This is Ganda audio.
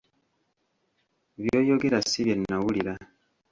Byoyogera si bye nnawulira .